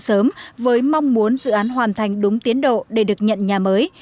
sớm với mong muốn dự án hoàn thành đúng tiến độ để được nhận nhà mới